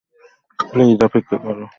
Please অপেক্ষা করো।